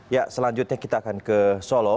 ya selanjutnya kita akan ke solo